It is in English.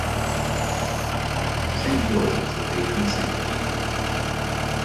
St George is the patron saint of England.